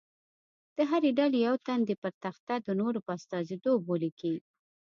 د هرې ډلې یو تن دې پر تخته د نورو په استازیتوب ولیکي.